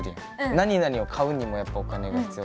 何何を買うにもやっぱお金が必要だし。